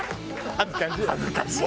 恥ずかしいよ。